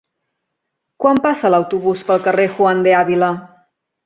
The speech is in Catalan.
Quan passa l'autobús pel carrer Juan de Ávila?